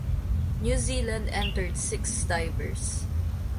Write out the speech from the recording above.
New Zealand entered six divers.